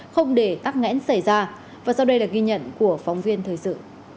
không để tắc nghẽn xảy ra và sau đây là ghi nhận của phóng viên thời sự